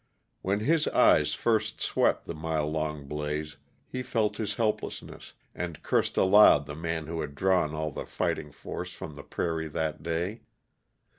When his eyes first swept the mile long blaze, he felt his helplessness, and cursed aloud the man who had drawn all the fighting force from the prairie that day.